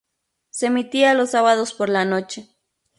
Se emitía los sábados por la noche.